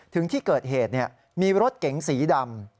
ถึงที่เกิดเหตุมีรถเก๋งสีดำ